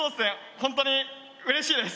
ほんとにうれしいです！